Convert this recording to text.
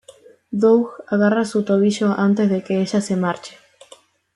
Doug agarra su tobillo antes de que ella se marche.